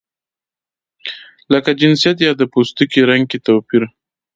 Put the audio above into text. لکه جنسیت یا د پوستکي رنګ کې توپیر.